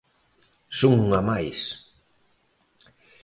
Son unha máis.